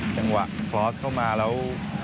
จังหวะฟอร์สเข้ามาแล้ว